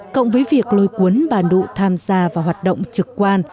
cộng với việc lôi cuốn bà nụ tham gia vào hoạt động trực quan